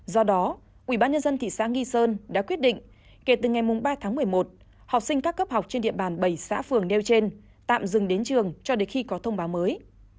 do đó ubnd thị xã nghi sơn đã quyết định kể từ ngày ba tháng một mươi một học sinh các cấp học trên địa bàn bảy xã phường nêu trên tạm dừng đến trường cho đến khi có thông báo mới